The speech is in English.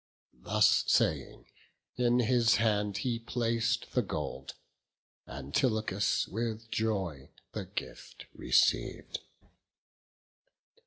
Thus saying, in his hand he plac'd the gold; Antilochus with joy the gift receiv'd.